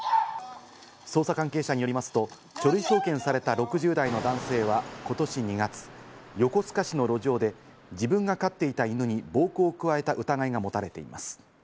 捜査関係者によりますと、書類送検された６０代の男性はことし２月、横須賀市の路上で自分が飼っていた犬に暴行を加えた疑いが持たれています。